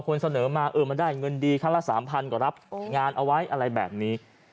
เสนอมาเออมันได้เงินดีครั้งละ๓๐๐ก็รับงานเอาไว้อะไรแบบนี้